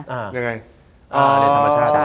ยังไง